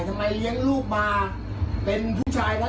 เลี้ยงลูกมาเป็นผู้ชายแล้ว